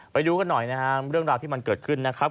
ไปดูกันหน่อยนะครับเรื่องราวที่มันเกิดขึ้นนะครับ